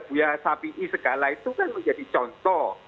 buah sapi segala itu kan menjadi contoh